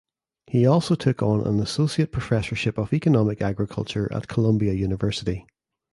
He also took on an associate professorship of economic agriculture at Columbia University.